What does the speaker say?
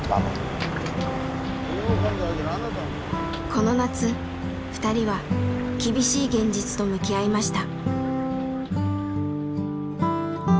この夏ふたりは厳しい現実と向き合いました。